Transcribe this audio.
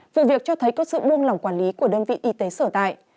vụ việc cho thấy có sự buôn lòng quản lý của đơn vị y tế sở tại